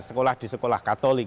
sekolah di sekolah katolik